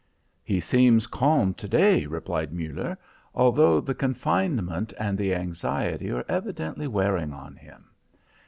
"He seems calm to day," replied Muller, "although the confinement and the anxiety are evidently wearing on him."